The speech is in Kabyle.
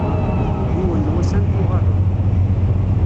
Yiwen n wass ad n-tuɣaleḍ.